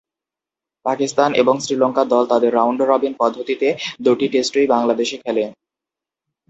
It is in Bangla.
পাকিস্তান এবং শ্রীলঙ্কা দল তাদের রাউন্ড-রবিন পদ্ধতিতে দু’টি টেস্টই বাংলাদেশে খেলে।